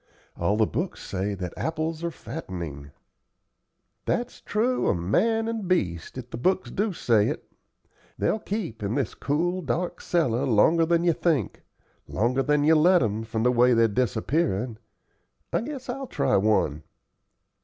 All the books say that apples are fattening." "That's true of man and beast, if the books do say it. They'll keep in this cool, dark cellar longer than you'd think longer than you'll let 'em, from the way they're disappearin'. I guess I'll try one."